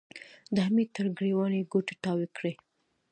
د حميد تر ګرېوان يې ګوتې تاوې کړې.